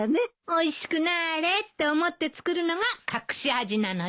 おいしくなれって思って作るのが隠し味なのよ。